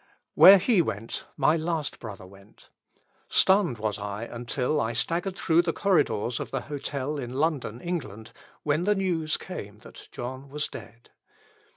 When he went, my last brother went. Stunned was I until I staggered through the corridors of the hotel in London, England, when the news came that John was dead.